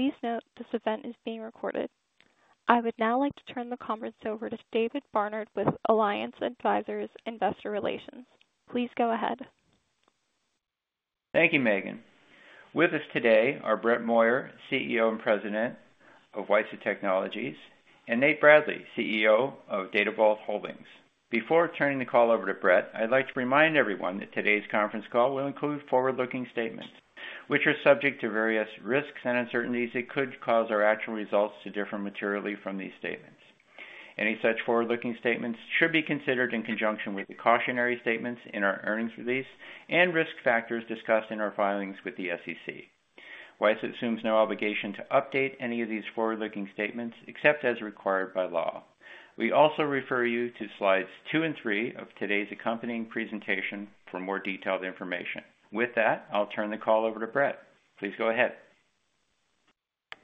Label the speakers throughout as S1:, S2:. S1: Please note this event is being recorded. I would now like to turn the conference over to David Barnard with Alliance Advisors Investor Relations. Please go ahead.
S2: Thank you, Megan. With us today are Brett Moyer, CEO and President of WiSA Technologies, and Nate Bradley, CEO of DataVault Holdings. Before turning the call over to Brett, I'd like to remind everyone that today's conference call will include forward-looking statements, which are subject to various risks and uncertainties that could cause our actual results to differ materially from these statements. Any such forward-looking statements should be considered in conjunction with the cautionary statements in our earnings release and risk factors discussed in our filings with the SEC. WiSA assumes no obligation to update any of these forward-looking statements except as required by law. We also refer you to slides two and three of today's accompanying presentation for more detailed information. With that, I'll turn the call over to Brett. Please go ahead.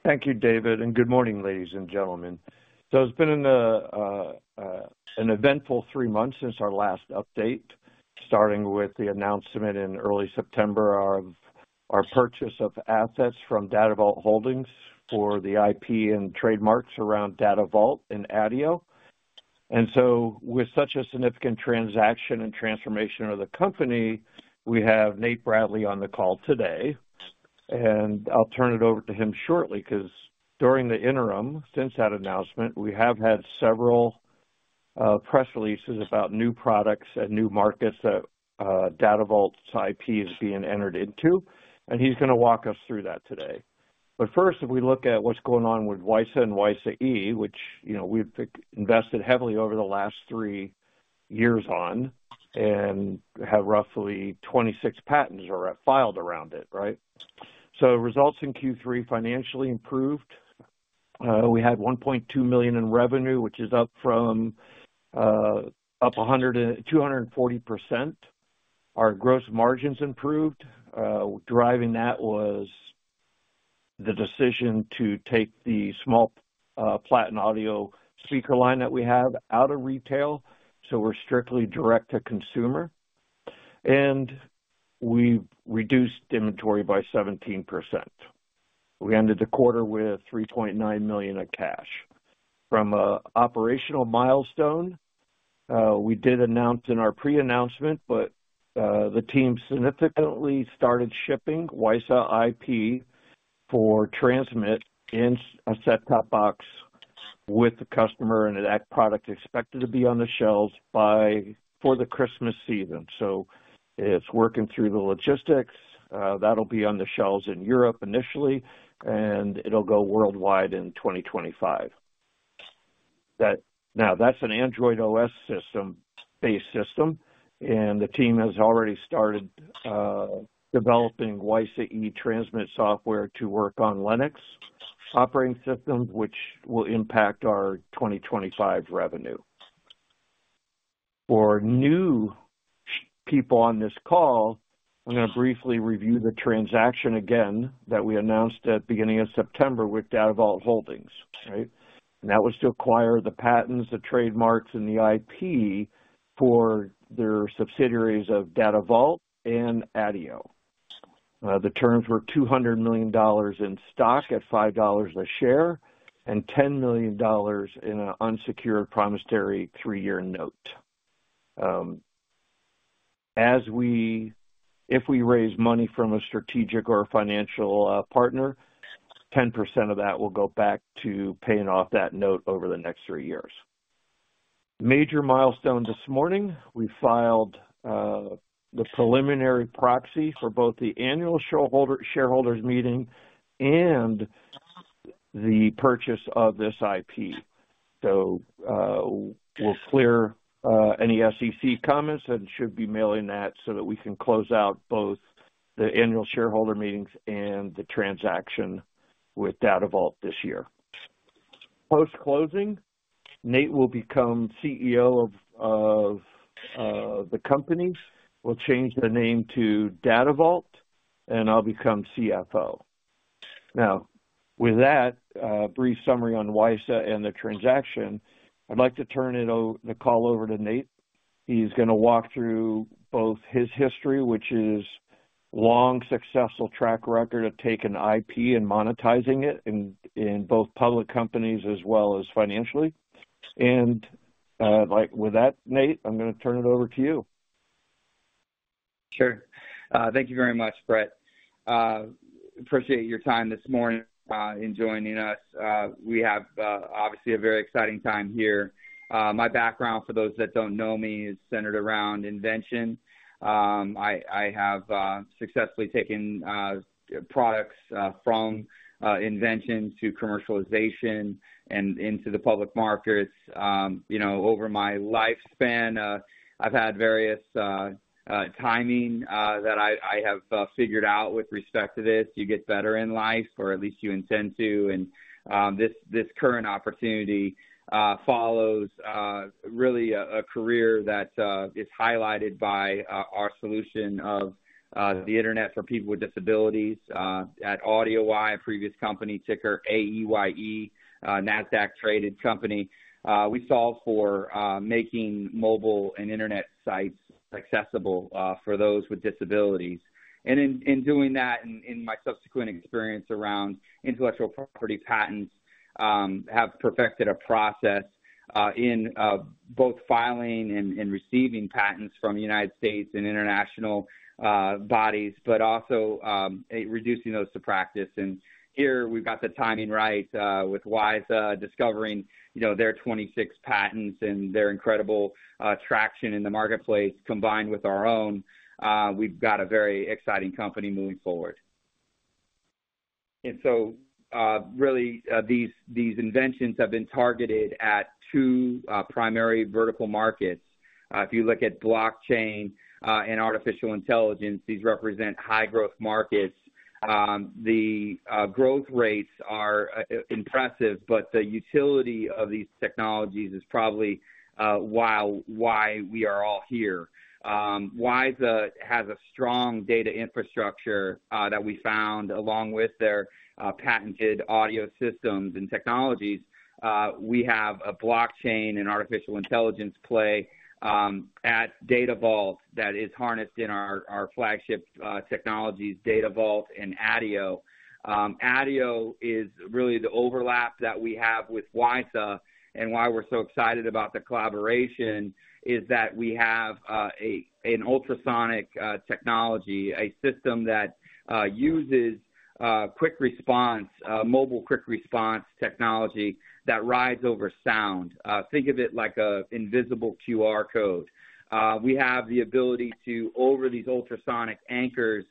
S1: Thank you, David, and good morning, ladies and gentlemen. It's been an eventful three months since our last update, starting with the announcement in early September of our purchase of assets from Datavault Holdings for the IP and trademarks around Datavault and ADIO. With such a significant transaction and transformation of the company, we have Nate Bradley on the call today, and I'll turn it over to him shortly because during the interim since that announcement, we have had several press releases about new products and new markets that Datavault's IP is being entered into, and he's going to walk us through that today. First, if we look at what's going on with WiSA and WiSA E, which we've invested heavily over the last three years on and have roughly 26 patents filed around it, right? Results in Q3 financially improved. We had $1.2 million in revenue, which is up 240%. Our gross margins improved. Driving that was the decision to take the small Platin Audio speaker line that we have out of retail, so we're strictly direct-to-consumer, and we've reduced inventory by 17%. We ended the quarter with $3.9 million in cash. From an operational milestone, we did announce in our pre-announcement, but the team significantly started shipping WiSA IP for transmit and a set-top box with the customer, and that product is expected to be on the shelves for the Christmas season. So it's working through the logistics. That'll be on the shelves in Europe initially, and it'll go worldwide in 2025. Now, that's an Android OS-based system, and the team has already started developing WiSA E transmit software to work on Linux operating systems, which will impact our 2025 revenue. For new people on this call, I'm going to briefly review the transaction again that we announced at the beginning of September with Datavault Holdings, right? And that was to acquire the patents, the trademarks, and the IP for their subsidiaries of Datavault and ADIO. The terms were $200 million in stock at $5 a share and $10 million in an unsecured promissory three-year note. If we raise money from a strategic or financial partner, 10% of that will go back to paying off that note over the next three years. Major milestone this morning, we filed the preliminary proxy for both the annual shareholders meeting and the purchase of this IP. So we'll clear any SEC comments and should be mailing that so that we can close out both the annual shareholder meetings and the transaction with Datavault this year. Post-closing, Nate will become CEO of the company. We'll change the name to Datavault, and I'll become CFO. Now, with that, a brief summary on WiSA and the transaction. I'd like to turn the call over to Nate. He's going to walk through both his history, which is a long successful track record of taking IP and monetizing it in both public companies as well as financially. And with that, Nate, I'm going to turn it over to you.
S3: Sure. Thank you very much, Brett. Appreciate your time this morning in joining us. We have obviously a very exciting time here. My background, for those that don't know me, is centered around invention. I have successfully taken products from invention to commercialization and into the public markets. Over my lifespan, I've had various timing that I have figured out with respect to this. You get better in life, or at least you intend to, and this current opportunity follows really a career that is highlighted by our solution of the internet for people with disabilities at AudioEye, a previous company, ticker AEYE, a Nasdaq-traded company. We solve for making mobile and internet sites accessible for those with disabilities. In doing that, in my subsequent experience around intellectual property patents, I have perfected a process in both filing and receiving patents from the United States and international bodies, but also reducing those to practice, and here, we've got the timing right with WiSA discovering their 26 patents and their incredible traction in the marketplace combined with our own. We've got a very exciting company moving forward, and so really, these inventions have been targeted at two primary vertical markets. If you look at blockchain and artificial intelligence, these represent high-growth markets. The growth rates are impressive, but the utility of these technologies is probably why we are all here. WiSA has a strong data infrastructure that we found along with their patented audio systems and technologies. We have a blockchain and artificial intelligence play at Datavault that is harnessed in our flagship technologies, Datavault and ADIO. ADIO is really the overlap that we have with WiSA, and why we're so excited about the collaboration is that we have an ultrasonic technology, a system that uses mobile quick response technology that rides over sound. Think of it like an invisible QR code. We have the ability to, over these ultrasonic anchors,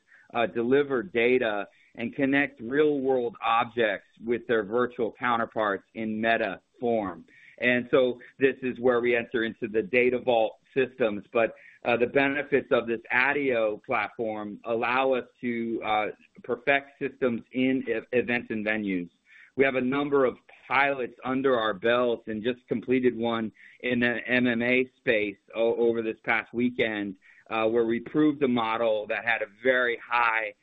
S3: deliver data and connect real-world objects with their virtual counterparts in meta form, and so this is where we enter into the Datavault systems. But the benefits of this ADIO platform allow us to perfect systems in events and venues. We have a number of pilots under our belt and just completed one in the MMA space over this past weekend where we proved a model that had a very high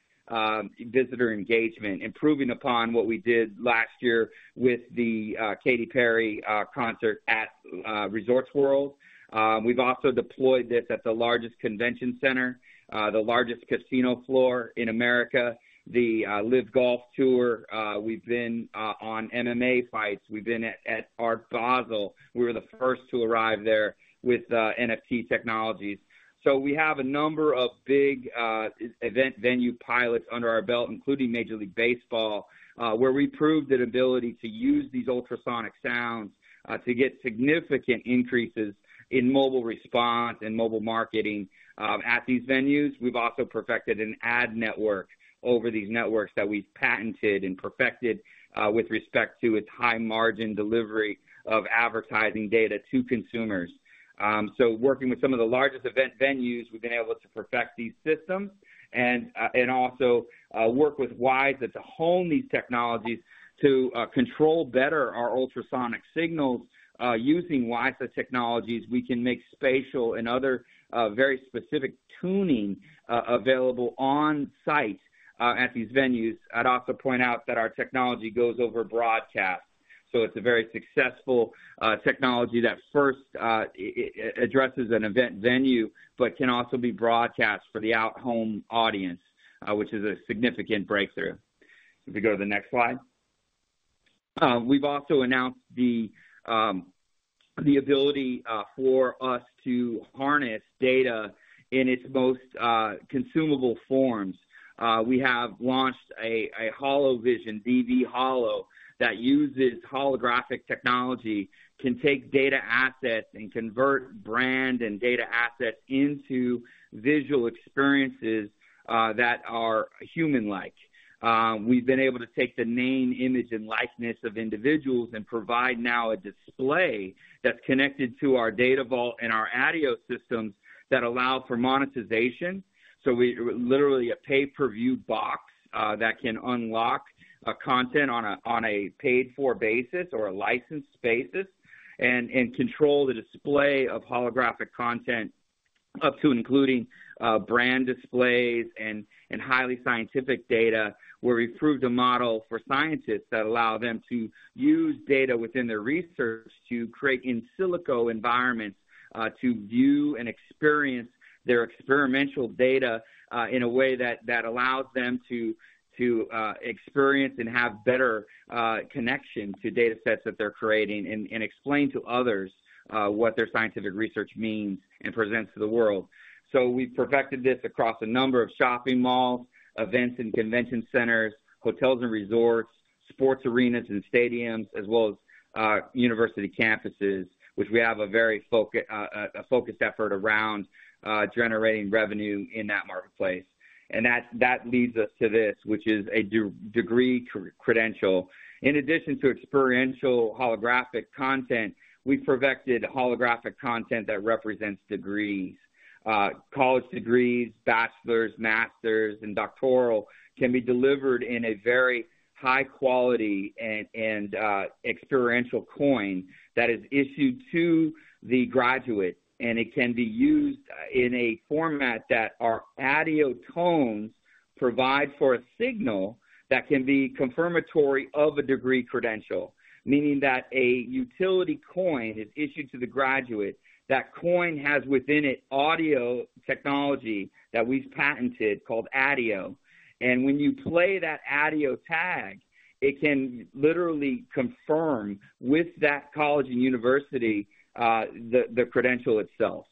S3: visitor engagement, improving upon what we did last year with the Katy Perry concert at Resorts World. We've also deployed this at the largest convention center, the largest casino floor in America, the LIV Golf. We've been on MMA fights. We've been at Art Basel. We were the first to arrive there with NFT technologies. So we have a number of big event venue pilots under our belt, including Major League Baseball, where we proved the ability to use these ultrasonic sounds to get significant increases in mobile response and mobile marketing at these venues. We've also perfected an ad network over these networks that we've patented and perfected with respect to its high-margin delivery of advertising data to consumers. So working with some of the largest event venues, we've been able to perfect these systems and also work with WiSA to hone these technologies to control better our ultrasonic signals. Using WiSA technologies, we can make spatial and other very specific tuning available on-site at these venues. I'd also point out that our technology goes over broadcast. So it's a very successful technology that first addresses an event venue but can also be broadcast for the out-of-home audience, which is a significant breakthrough. If we go to the next slide, we've also announced the ability for us to harness data in its most consumable forms. We have launched a HoloVision, DVHolo that uses holographic technology, can take data assets and convert brand and data assets into visual experiences that are human-like. We've been able to take the name, image, and likeness of individuals and provide now a display that's connected to our Datavault and our ADIO systems that allow for monetization. So we're literally a pay-per-view box that can unlock content on a paid-for basis or a licensed basis and control the display of holographic content up to including brand displays and highly scientific data where we've proved a model for scientists that allows them to use data within their research to create in silico environments to view and experience their experimental data in a way that allows them to experience and have better connection to data sets that they're creating and explain to others what their scientific research means and presents to the world. So we've perfected this across a number of shopping malls, events and convention centers, hotels and resorts, sports arenas and stadiums, as well as university campuses, which we have a very focused effort around generating revenue in that marketplace. And that leads us to this, which is a degree credential. In addition to experiential holographic content, we've perfected holographic content that represents degrees. College degrees, bachelor's, master's, and doctoral can be delivered in a very high-quality and experiential coin that is issued to the graduate, and it can be used in a format that our ADIO tones provide for a signal that can be confirmatory of a degree credential, meaning that a utility coin is issued to the graduate. That coin has within it audio technology that we've patented called ADIO, and when you play that ADIO tag, it can literally confirm with that college and university the credential itself.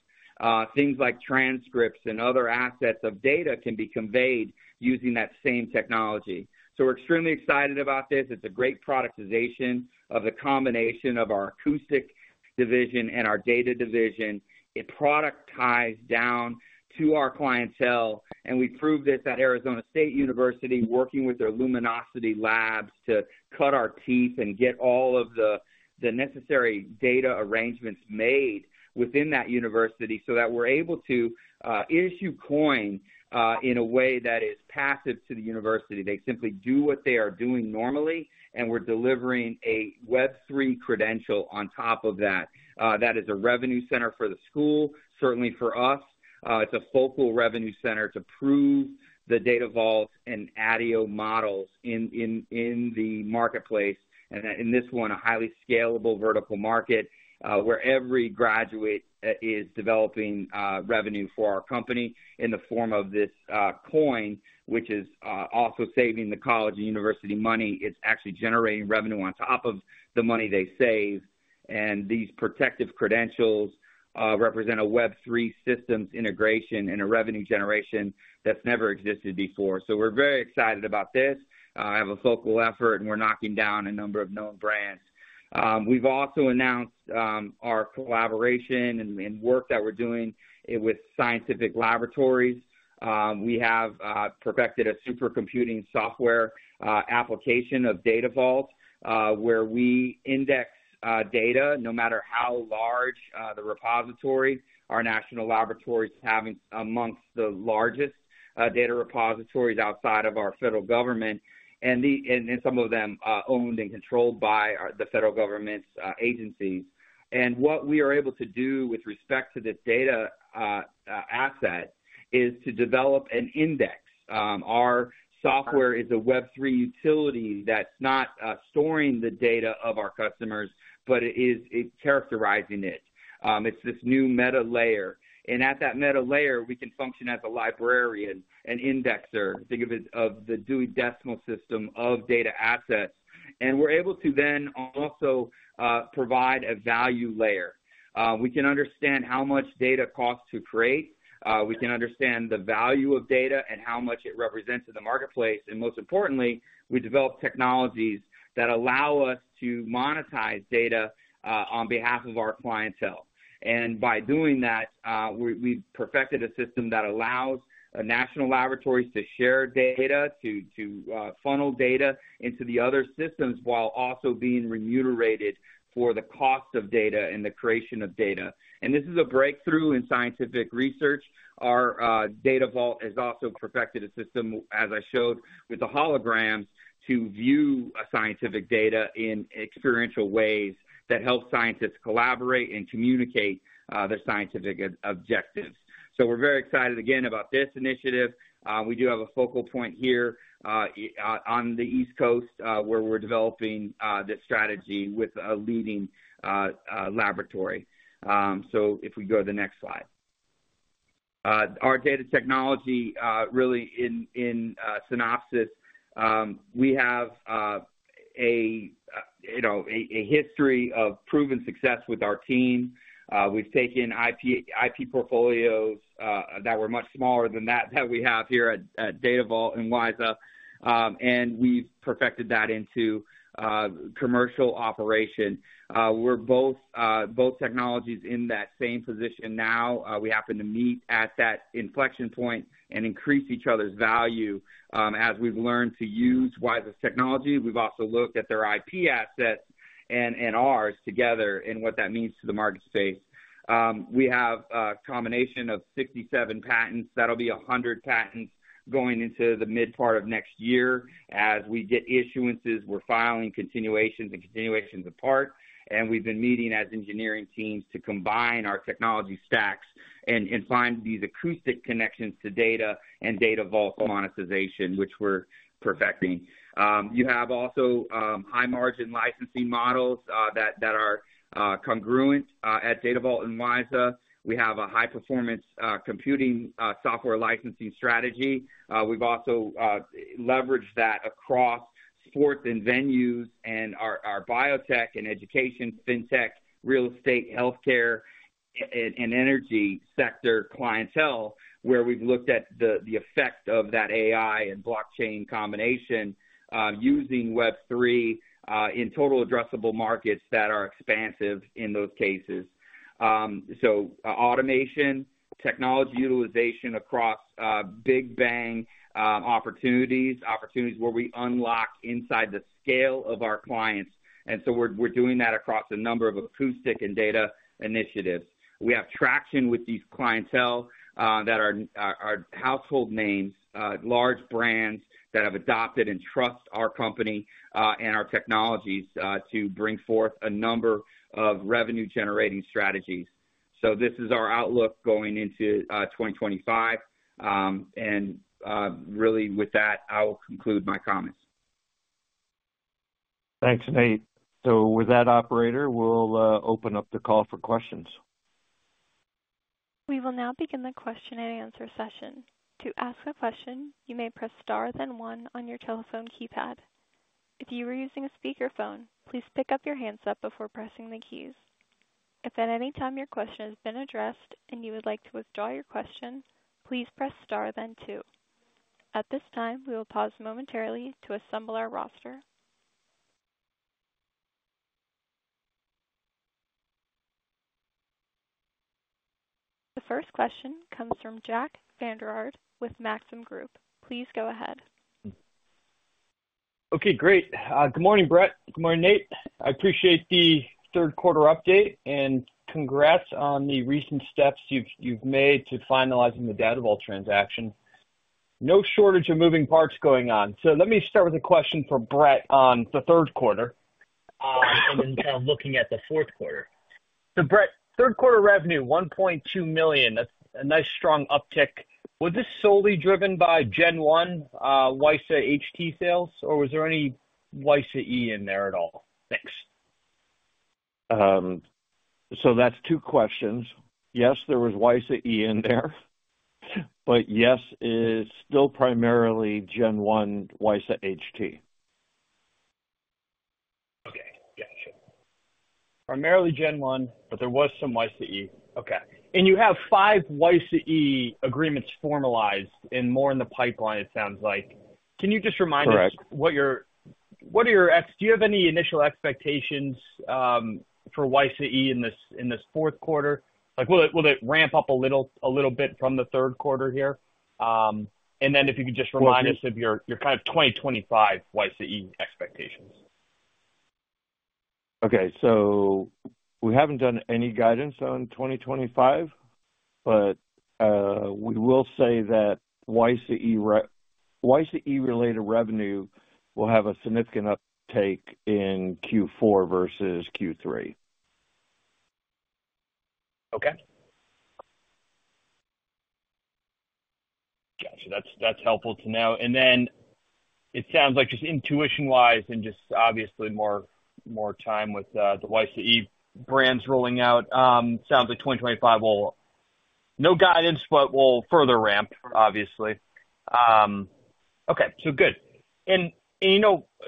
S3: Things like transcripts and other assets of data can be conveyed using that same technology, so we're extremely excited about this. It's a great productization of the combination of our acoustic division and our data division. It productizes down to our clientele, and we've proved this at Arizona State University, working with their Luminosity Labs to cut our teeth and get all of the necessary data arrangements made within that university so that we're able to issue coin in a way that is passive to the university. They simply do what they are doing normally, and we're delivering a Web3 credential on top of that. That is a revenue center for the school, certainly for us. It's a focal revenue center to prove the Datavault and ADIO models in the marketplace. In this one, a highly scalable vertical market where every graduate is developing revenue for our company in the form of this coin, which is also saving the college and university money. It's actually generating revenue on top of the money they save. These protective credentials represent a Web3 systems integration and a revenue generation that's never existed before. So we're very excited about this. I have a focal effort, and we're knocking down a number of known brands. We've also announced our collaboration and work that we're doing with scientific laboratories. We have perfected a supercomputing software application of Datavault where we index data no matter how large the repository. Our national laboratory is having amongst the largest data repositories outside of our federal government, and some of them are owned and controlled by the federal government's agencies. What we are able to do with respect to this data asset is to develop an index. Our software is a Web3 utility that's not storing the data of our customers, but it is characterizing it. It's this new meta layer. At that meta layer, we can function as a librarian, an indexer. Think of it as the Dewey Decimal System of data assets. We're able to then also provide a value layer. We can understand how much data costs to create. We can understand the value of data and how much it represents in the marketplace. Most importantly, we develop technologies that allow us to monetize data on behalf of our clientele. By doing that, we've perfected a system that allows national laboratories to share data, to funnel data into the other systems while also being remunerated for the cost of data and the creation of data. This is a breakthrough in scientific research. Our Datavault has also perfected a system, as I showed with the holograms, to view scientific data in experiential ways that help scientists collaborate and communicate their scientific objectives. So we're very excited again about this initiative. We do have a focal point here on the East Coast where we're developing this strategy with a leading laboratory. So if we go to the next slide, our data technology really in synopsis, we have a history of proven success with our team. We've taken IP portfolios that were much smaller than that we have here at DataVault and WiSA, and we've perfected that into commercial operation. We're both technologies in that same position now. We happen to meet at that inflection point and increase each other's value as we've learned to use WiSA's technology. We've also looked at their IP assets and ours together and what that means to the market space. We have a combination of 67 patents. That'll be 100 patents going into the mid-part of next year. As we get issuances, we're filing continuations and continuations-in-part. We've been meeting as engineering teams to combine our technology stacks and find these acoustic connections to data and Datavault monetization, which we're perfecting. You have also high-margin licensing models that are congruent at Datavault and WiSA. We have a high-performance computing software licensing strategy. We've also leveraged that across sports and venues and our biotech and education, fintech, real estate, healthcare, and energy sector clientele where we've looked at the effect of that AI and blockchain combination using Web3 in total addressable markets that are expansive in those cases. Automation, technology utilization across big bang opportunities, opportunities where we unlock inside the scale of our clients. We're doing that across a number of acoustic and data initiatives. We have traction with these clientele that are household names, large brands that have adopted and trust our company and our technologies to bring forth a number of revenue-generating strategies. So this is our outlook going into 2025. And really, with that, I will conclude my comments.
S1: Thanks, Nate. So with that, operator, we'll open up the call for questions.
S4: We will now begin the question and answer session. To ask a question, you may press star then one on your telephone keypad. If you are using a speakerphone, please pick up the handset before pressing the keys. If at any time your question has been addressed and you would like to withdraw your question, please press star then two. At this time, we will pause momentarily to assemble our roster. The first question comes from Jack Vander Aarde with Maxim Group. Please go ahead.
S5: Okay, great. Good morning, Brett. Good morning, Nate. I appreciate the third-quarter update and congrats on the recent steps you've made to finalizing the Datavault transaction. No shortage of moving parts going on. So let me start with a question for Brett on the third quarter and then kind of looking at the fourth quarter. So Brett, third-quarter revenue, $1.2 million. That's a nice strong uptick. Was this solely driven by Gen 1 WiSA HT sales, or was there any WiSA E in there at all? Thanks.
S1: That's two questions. Yes, there was WiSA E in there, but yes, it's still primarily Gen 1 WiSA HT.
S5: Okay. Gotcha. Primarily Gen 1, but there was some WiSA E. Okay. And you have five WiSA E agreements formalized and more in the pipeline, it sounds like. Can you just remind us what are your, do you have any initial expectations for WiSA E in this fourth quarter? Will it ramp up a little bit from the third quarter here? And then if you could just remind us of your kind of 2025 WiSA E expectations?
S1: Okay. So we haven't done any guidance on 2025, but we will say that WiSA E related revenue will have a significant uptake in Q4 versus Q3.
S5: Okay. Gotcha. That's helpful to know. And then it sounds like just intuition-wise and just obviously more time with the WiSA E brands rolling out. Sounds like 2025 will, no guidance, but will further ramp, obviously. Okay. So good. And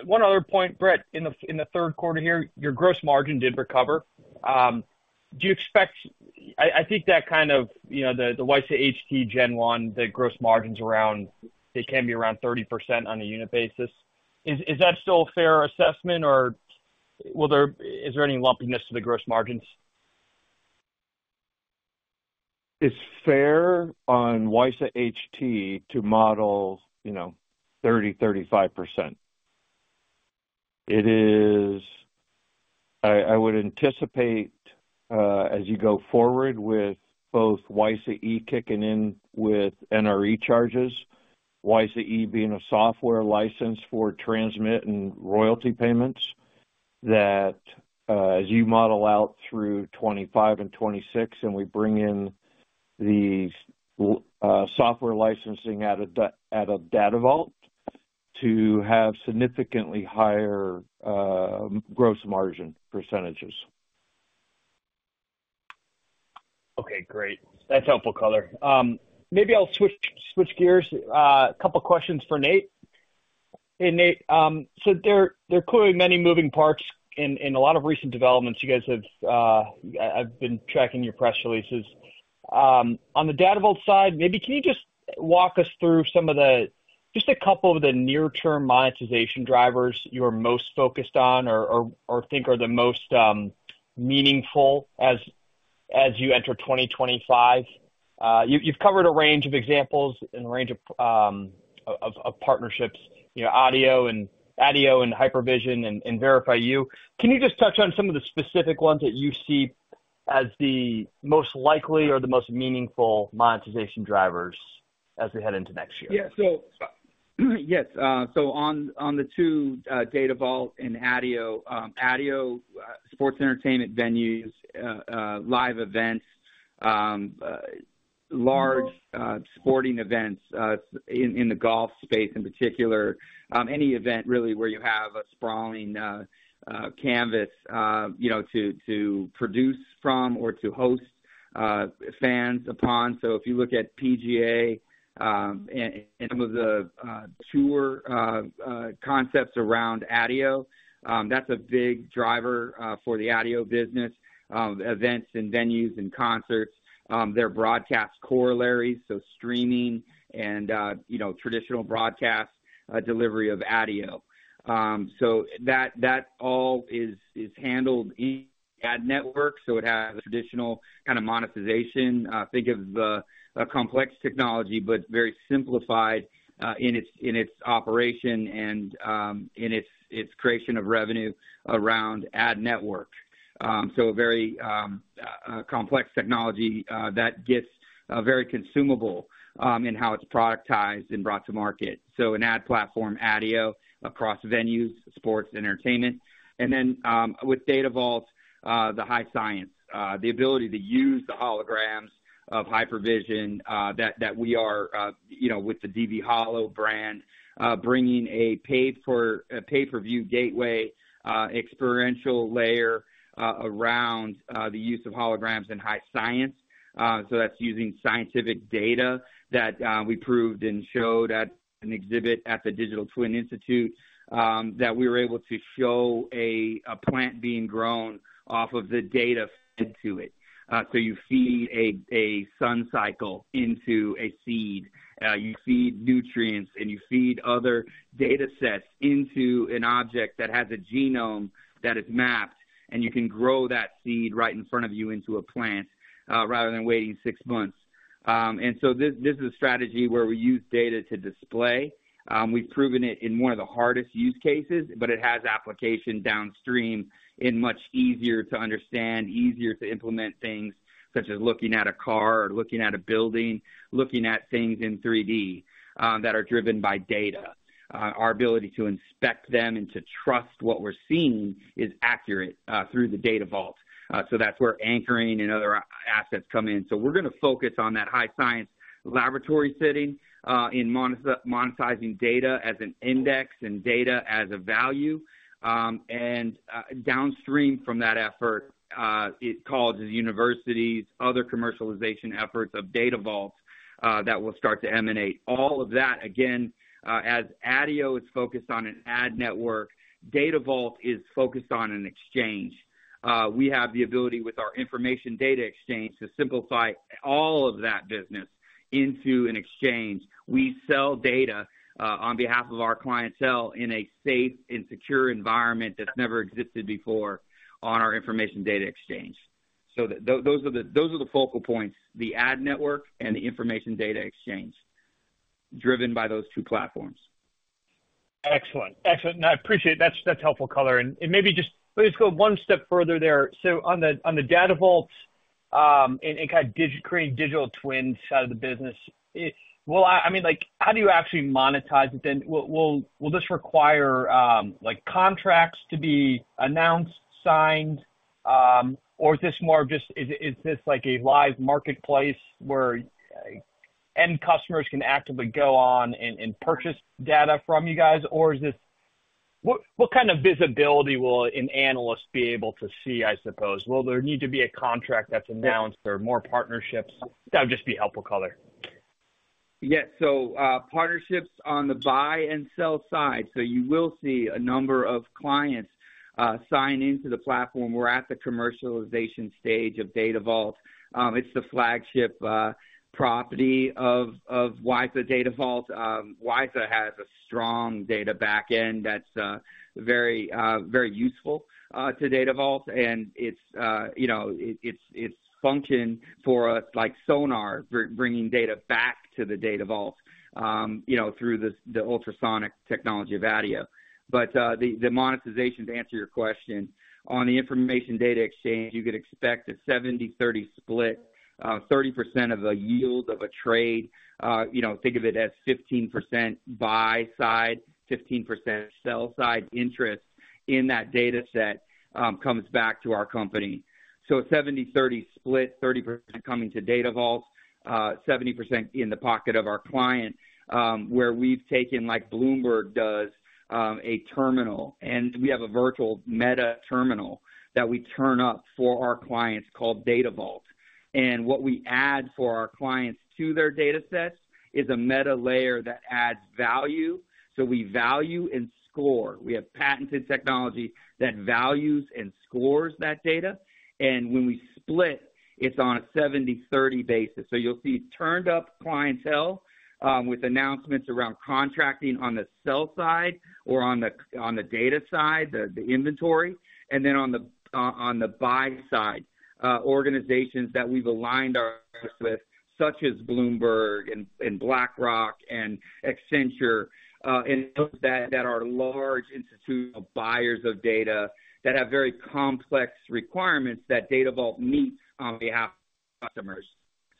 S5: one other point, Brett, in the third quarter here, your gross margin did recover. Do you expect? I think that kind of the WiSA HT Gen 1, the gross margins around, they can be around 30% on a unit basis. Is that still a fair assessment, or is there any lumpiness to the gross margins?
S1: It's fair on WiSA HT to model 30%-35%. I would anticipate as you go forward with both WiSA E kicking in with NRE charges, WiSA E being a software license for transmit and royalty payments, that as you model out through 2025 and 2026 and we bring in the software licensing out of Datavault to have significantly higher gross margin percentages.
S5: Okay. Great. That's helpful, Color. Maybe I'll switch gears. A couple of questions for Nate. Hey, Nate. So there are clearly many moving parts in a lot of recent developments. I've been tracking your press releases. On the Datavault side, maybe can you just walk us through just a couple of the near-term monetization drivers you are most focused on or think are the most meaningful as you enter 2025? You've covered a range of examples and a range of partnerships: audio and HoloVision and VerifyU. Can you just touch on some of the specific ones that you see as the most likely or the most meaningful monetization drivers as we head into next year? Yeah. Yes.
S3: So on the two Datavault and ADIO, ADIO sports entertainment venues, live events, large sporting events in the golf space in particular, any event really where you have a sprawling canvas to produce from or to host fans upon. So if you look at PGA and some of the tour concepts around ADIO, that's a big driver for the ADIO business: events and venues and concerts, their broadcast corollaries, so streaming and traditional broadcast delivery of ADIO. So that all is handled in ADIO Network. So it has a traditional kind of monetization. Think of the complex technology, but very simplified in its operation and in its creation of revenue around ADIO Network. So a very complex technology that gets very consumable in how it's productized and brought to market. So an ADIO platform, ADIO, across venues, sports, entertainment. And then with Datavault, the high science, the ability to use the holograms of HoloVision that we are with the DV Holo brand, bringing a pay-per-view gateway, experiential layer around the use of holograms and high science. So that's using scientific data that we proved and showed at an exhibit at the Digital Twin Institute that we were able to show a plant being grown off of the data fed to it. So you feed a sun cycle into a seed. You feed nutrients, and you feed other data sets into an object that has a genome that is mapped, and you can grow that seed right in front of you into a plant rather than waiting six months. And so this is a strategy where we use data to display. We've proven it in one of the hardest use cases, but it has application downstream in much easier to understand, easier to implement things such as looking at a car or looking at a building, looking at things in 3D that are driven by data. Our ability to inspect them and to trust what we're seeing is accurate through the Datavault. So that's where anchoring and other assets come in. So we're going to focus on that high science laboratory setting in monetizing data as an index and data as a value. And downstream from that effort, it calls the universities, other commercialization efforts of Datavault that will start to emanate. All of that, again, as ADIO is focused on an ad network, Datavault is focused on an exchange. We have the ability with our Information Data Exchange to simplify all of that business into an exchange. We sell data on behalf of our clientele in a safe and secure environment that's never existed before on our Information Data Exchange. So those are the focal points: the ad network and the Information Data Exchange driven by those two platforms. Excellent. Excellent. And I appreciate that.
S5: That's helpful, color. And maybe just let's go one step further there. So on the Datavault and kind of creating digital twins out of the business, well, I mean, how do you actually monetize it then? Will this require contracts to be announced, signed, or is this more of just—is this like a live marketplace where end customers can actively go on and purchase data from you guys? Or what kind of visibility will an analyst be able to see, I suppose? Will there need to be a contract that's announced or more partnerships? That would just be helpful, color. Yeah.
S3: So partnerships on the buy and sell side. So you will see a number of clients sign into the platform. We're at the commercialization stage of Datavault. It's the flagship property of WiSA Datavault. WiSA has a strong data backend that's very useful to Datavault, and its function for us, like sonar, bringing data back to the Datavault through the ultrasonic technology of ADIO. But the monetization, to answer your question, on the Information Data Exchange, you could expect a 70/30 split. 30% of the yield of a trade, think of it as 15% buy side, 15% sell side interest in that data set, comes back to our company. So a 70/30 split, 30% coming to Datavault, 70% in the pocket of our client, where we've taken, like Bloomberg does, a terminal, and we have a virtual meta terminal that we turn up for our clients called Datavault. What we add for our clients to their data sets is a meta layer that adds value. We value and score. We have patented technology that values and scores that data. When we split, it's on a 70/30 basis. You'll see turned-up clientele with announcements around contracting on the sell side or on the data side, the inventory, and then on the buy side, organizations that we've aligned our business with, such as Bloomberg and BlackRock and Accenture, and those that are large institutional buyers of data that have very complex requirements that Datavault meets on behalf of customers.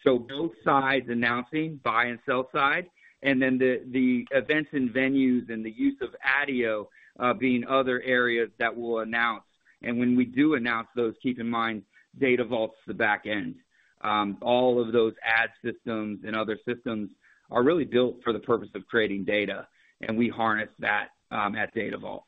S3: Both sides announcing, buy and sell side, and then the events and venues and the use of ADIO being other areas that we'll announce. When we do announce those, keep in mind, Datavault's the backend. All of those ad systems and other systems are really built for the purpose of creating data, and we harness that at Datavault.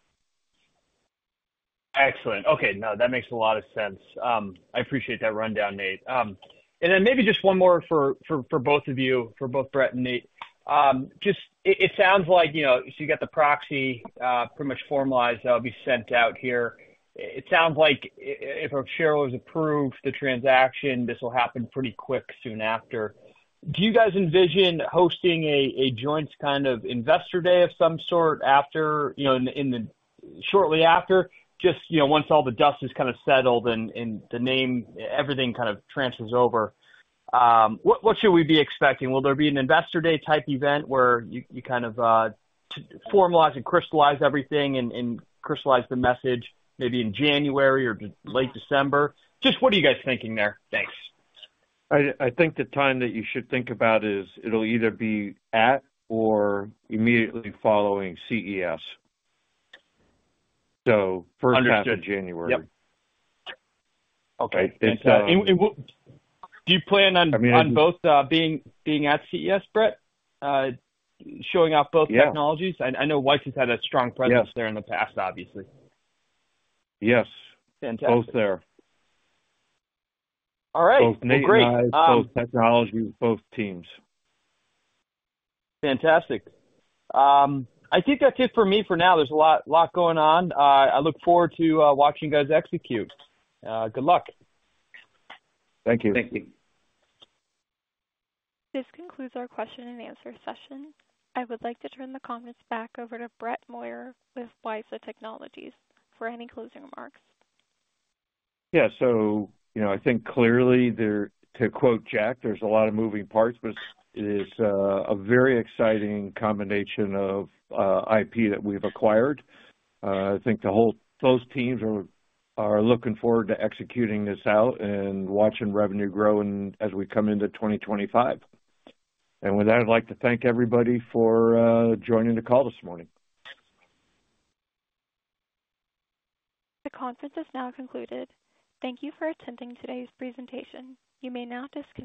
S3: Excellent.
S5: Okay. No, that makes a lot of sense. I appreciate that rundown, Nate. And then maybe just one more for both of you, for both Brett and Nate. It sounds like so you got the proxy pretty much formalized. That'll be sent out here. It sounds like if a shareholder's approved the transaction, this will happen pretty quick soon after. Do you guys envision hosting a joint kind of investor day of some sort shortly after, just once all the dust has kind of settled and everything kind of transfers over? What should we be expecting? Will there be an investor day type event where you kind of formalize and crystallize everything and crystallize the message maybe in January or late December? Just what are you guys thinking there? Thanks.
S1: I think the time that you should think about is it'll either be at or immediately following CES, so first at January.
S5: Understood. Yep. Okay. And do you plan on both being at CES, Brett, showing off both technologies?
S1: Yes.
S5: I know WiSA's had a strong presence there in the past, obviously.
S1: Yes.
S5: Fantastic.
S1: Both there.
S5: All right, well, great.
S1: Both technologies, both teams.
S5: Fantastic. I think that's it for me for now. There's a lot going on. I look forward to watching you guys execute. Good luck.
S1: Thank you.
S5: Thank you.
S4: This concludes our question and answer session. I would like to turn the comments back over to Brett Moyer with WiSA Technologies for any closing remarks.
S1: Yeah. So I think clearly, to quote Jack, there's a lot of moving parts, but it is a very exciting combination of IP that we've acquired. I think those teams are looking forward to executing this out and watching revenue grow as we come into 2025. And with that, I'd like to thank everybody for joining the call this morning.
S4: The conference is now concluded. Thank you for attending today's presentation. You may now disconnect.